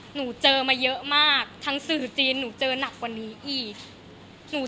หนูเจอมาเยอะมากทั้งสื่อจีนหนูเจอหนักกว่านี้อีก